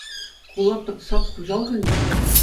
Ку лаптӑк «Сад» хуҫалӑхӑн-мӗн.